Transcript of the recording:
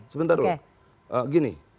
sebentar dulu gini